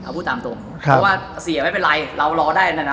เอาพูดตามตรงเพราะว่าเสียไม่เป็นไรเรารอได้นะนะ